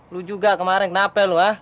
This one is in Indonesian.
lu juga kemaren kenapa lu